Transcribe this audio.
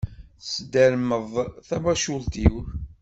Tesdermeḍ tawacult-iw.